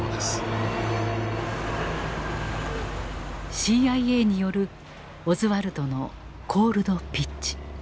ＣＩＡによるオズワルドの「コールド・ピッチ」。